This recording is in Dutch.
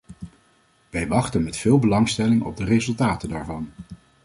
Wij wachten met veel belangstelling op de resultaten daarvan.